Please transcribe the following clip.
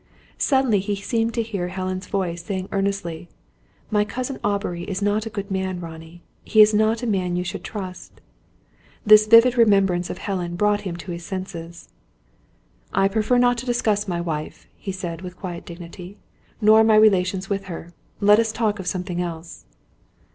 Suddenly he seemed to hear Helen's voice saying earnestly: "My cousin Aubrey is not a good man, Ronnie; he is not a man you should trust." This vivid remembrance of Helen, brought him to his senses. "I prefer not to discuss my wife," he said, with quiet dignity; "nor my relations with her. Let us talk of something else."